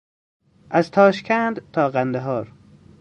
از تاشکند تا قندهار